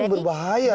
ini berbahaya loh